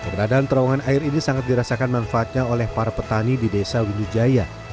keberadaan terowongan air ini sangat dirasakan manfaatnya oleh para petani di desa windujaya